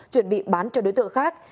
chuẩn bị bán cho đối tượng khác